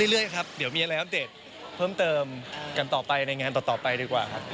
เรื่อยครับเดี๋ยวมีอะไรอัปเดตเพิ่มเติมกันต่อไปในงานต่อไปดีกว่าครับ